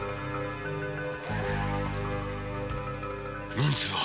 人数は？